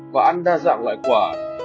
và ăn đa dạng loại quả